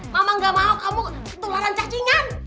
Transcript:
mama gak mau kamu tularan cacingan